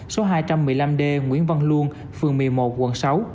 số hai trăm một mươi năm d nguyễn văn luông phường một mươi một quận sáu